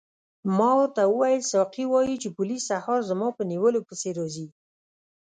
ما ورته وویل ساقي وایي چې پولیس سهار زما په نیولو پسې راځي.